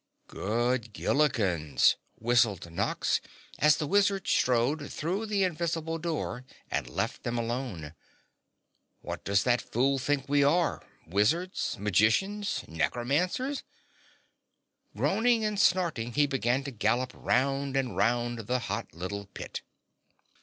"Good Gillikins!" whistled Nox, as the wizard strode through the invisible door and left them alone. "What does that fool think we are, wizards magicians necromancers?" Groaning and snorting, he began to gallop round and round the hot little pit.